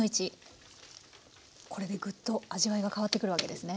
これでグッと味わいが変わってくるわけですね？